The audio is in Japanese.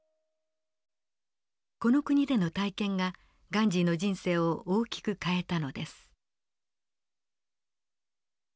この国での体験がガンジーの人生を大きく変えたのです。